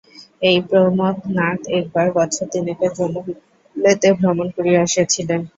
এই প্রমথনাথ একবার বছরতিনেকের জন্য বিলাতে ভ্রমণ করিয়া আসিয়াছিলেন।